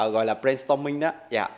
gọi là brainstorming